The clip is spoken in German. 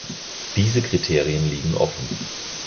Diese Kriterien liegen offen.